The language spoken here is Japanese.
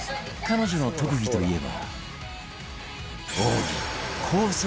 彼女の特技といえば